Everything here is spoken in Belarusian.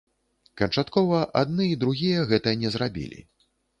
Канчаткова адны і другія гэта не зрабілі.